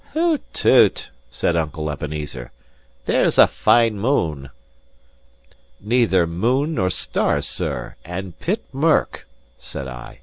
"Hoot toot!" said Uncle Ebenezer, "there's a fine moon." "Neither moon nor star, sir, and pit mirk," * said I.